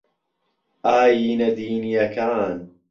ئایینە دینییەکان